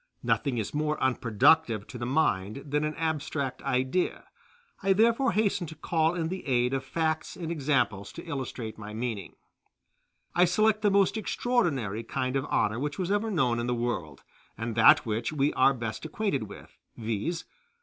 Nothing is more unproductive to the mind than an abstract idea; I therefore hasten to call in the aid of facts and examples to illustrate my meaning. I select the most extraordinary kind of honor which was ever known in the world, and that which we are best acquainted with, viz.